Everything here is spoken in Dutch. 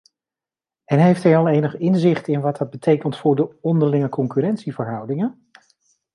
En heeft hij al enig inzicht in wat dat betekent voor de onderlinge concurrentieverhoudingen.